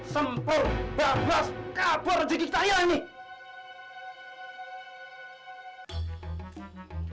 sempurna bagus kabur rizki kita hilang nih